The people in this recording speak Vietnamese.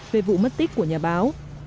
về vụ mất tích của nhà báo